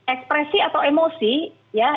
ekspresi atau emosi ya